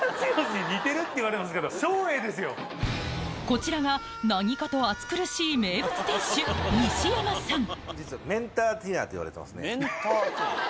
こちらが何かと暑苦しい名物店主西山さんっていわれてますね。